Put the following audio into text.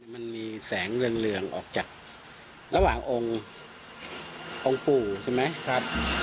มันมีแสงเรื่องออกจากระหว่างองค์ปู่ใช่ไหม